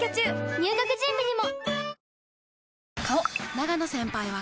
入学準備にも！